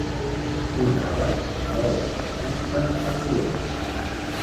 Un àbac amb boles de fusta de colors.